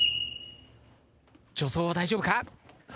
助走は大丈夫か？